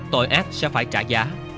tội ác sẽ phải trả giá